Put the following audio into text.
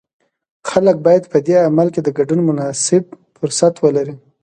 خلک باید په دې عمل کې د ګډون مناسب فرصت ولري.